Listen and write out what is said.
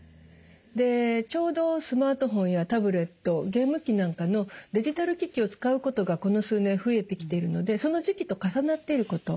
でちょうどスマートフォンやタブレットゲーム機なんかのデジタル機器を使うことがこの数年増えてきているのでその時期と重なっていること。